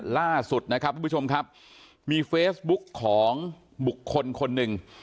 ล่าสุดนะครับทุกผู้ชมครับมีเฟซบุ๊กของบุคคลคนหนึ่ง